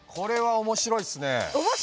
おもしろいっすね。